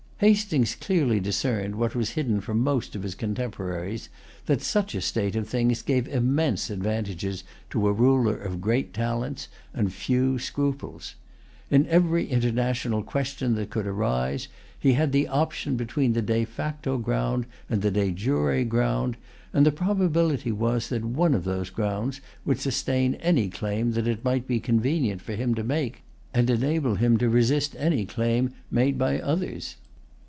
Hastings clearly discerned, what was hidden from most of his contemporaries, that such a state of things gave immense advantages to a ruler of great talents and few scruples. In every international question that could arise, he had his option between the de facto ground and the de jure ground; and the probability was that one of those grounds would sustain any claim that it might be convenient for him to make, and enable him to resist any claim made by others.